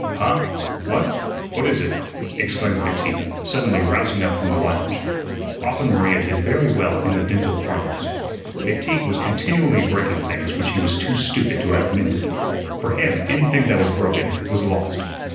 "Huh? What? What is it?" exclaimed McTeague, suddenly rousing up from the lounge. Often Maria did very well in the "Dental Parlors." McTeague was continually breaking things which he was too stupid to have mended; for him anything that was broken was lost.